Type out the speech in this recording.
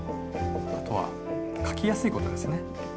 あとは書きやすいことですね。